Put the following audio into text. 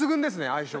相性